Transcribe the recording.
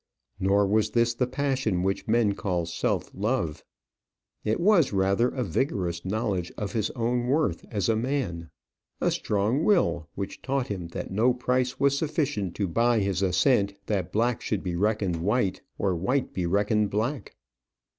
Nor was this the passion which men call self love. It was rather a vigorous knowledge of his own worth as a man; a strong will, which taught him that no price was sufficient to buy his assent that black should be reckoned white, or white be reckoned black.